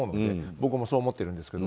僕もそう思ってるんですけど。